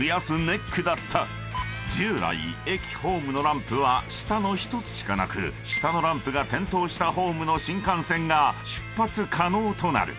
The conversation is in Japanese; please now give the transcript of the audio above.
［従来駅ホームのランプは下の１つしかなく下のランプが点灯したホームの新幹線が出発可能となる］